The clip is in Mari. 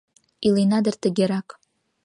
Илена дыр тыгерак